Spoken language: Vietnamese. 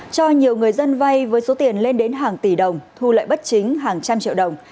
cho nhiều người dân vay với số tiền lên đến hàng tỷ đồng thu lợi bất chính hàng trăm triệu đồng